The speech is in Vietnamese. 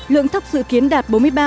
lượng thóc dự kiến đạt